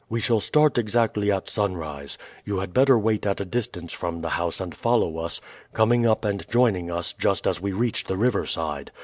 We shall start exactly at sunrise. You had better wait at a distance from the house and follow us, coming up and joining us just as we reach the river side.